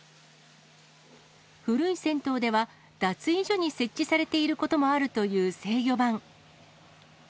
古い銭湯では、脱衣所に設置されていることもあるという制御盤。